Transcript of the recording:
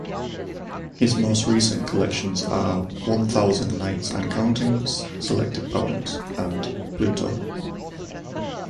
His most recent collections are "One Thousand Nights and Counting: Selected Poems" and "Pluto".